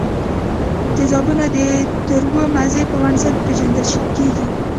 تیزابونه د تروې مزې په بنسټ پیژندل کیږي.